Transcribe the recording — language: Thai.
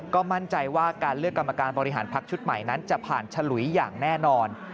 ก็มั่นใจว่าการเลือกกรรมการบริหารพักชุดใหม่นั้นจะผ่านฉลุยอย่างแน่นอน